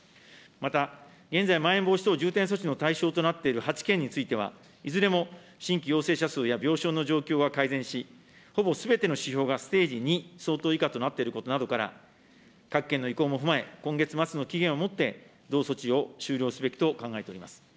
また、現在、まん延防止等重点措置の対象となっている８県については、いずれも新規陽性者数や病床の状況は改善し、ほぼすべての指標がステージ２相当以下となっていることなどから、各県の意向も踏まえ、今月末の期限をもって、同措置を終了すべきと考えております。